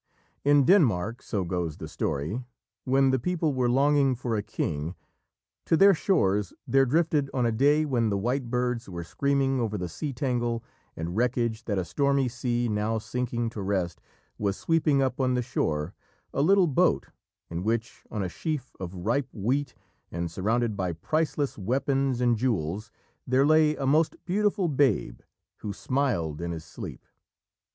In Denmark, so goes the story, when the people were longing for a king, to their shores there drifted, on a day when the white birds were screaming over the sea tangle and wreckage that a stormy sea, now sinking to rest, was sweeping up on the shore, a little boat in which, on a sheaf of ripe wheat and surrounded by priceless weapons and jewels, there lay a most beautiful babe, who smiled in his sleep.